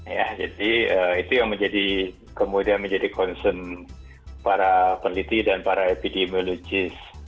ya jadi itu yang kemudian menjadi concern para peneliti dan para epidemiologis